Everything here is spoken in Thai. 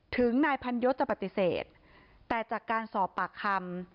นายพันยศจะปฏิเสธแต่จากการสอบปากคำ